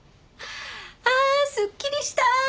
ああすっきりした！